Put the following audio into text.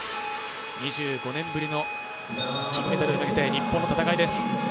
２５年ぶりの金メダルへ向けて日本の戦いです。